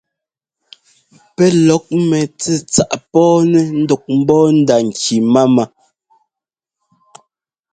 Pɛ́ lɔk mɛtsɛ́tsáꞌ pɔ́ɔnɛ́ ńdɔk ḿbɔ́ɔ nda-ŋki máama.